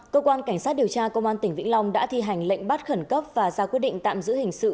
cơ quan cảnh sát điều tra công an tỉnh vĩnh long đã thi hành lệnh bắt khẩn cấp và ra quyết định tạm giữ hình sự